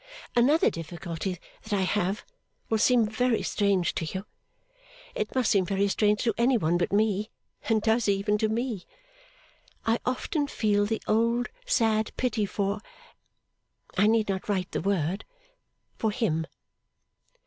Another difficulty that I have will seem very strange to you. It must seem very strange to any one but me, and does even to me: I often feel the old sad pity for I need not write the word for him.